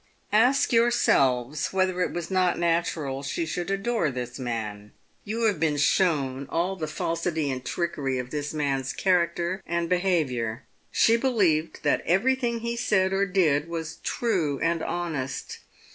Ask yourselves whether it was not natural she should adore this man. You have been shown all the falsity and trickery of this captain's character and behaviour. She believed that everything he said or did was true and honest.